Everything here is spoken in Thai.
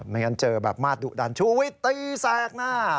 ไม่งั้นเจอแบบมาตรดุดันชูวิตตีแสกหน้า